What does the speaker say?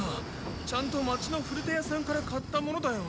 ちゃんと町の古手屋さんから買ったものだよ。